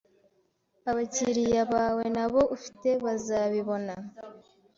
abakiriya bawe nabo ufite bazabibona,